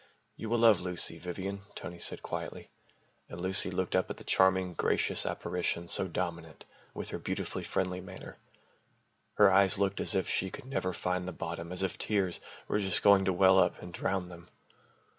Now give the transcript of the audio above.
"You will love Lucy, Vivian," Tony said quietly, and Lucy looked up at the charming, gracious apparition so dominant, with her beautifully friendly manner. Her eyes looked as if she could never find the bottom, as if tears were just going to well up and drown them.